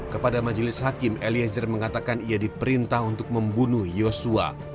kepada majelis hakim eliezer mengatakan ia diperintah untuk membunuh yosua